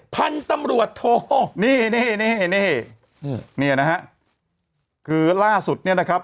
พันธุ์ตำรวจโทนี่นี่นี่นะฮะคือล่าสุดเนี่ยนะครับ